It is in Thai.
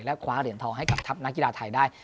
และคว้าเหรียญทองให้กับทัพนักกีฬาไทยได้